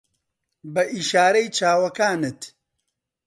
بە ئیشارەی چاوەکانت